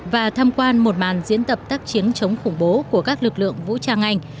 và tham quan một màn diễn tập tác chiến chống khủng bố của các lực lượng vũ trang anh